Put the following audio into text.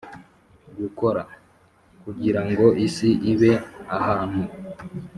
gukora, kugira ngo isi ibe ahantu